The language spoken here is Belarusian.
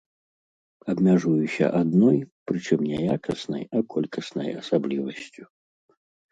Абмяжуюся адной, прычым не якаснай, а колькаснай асаблівасцю.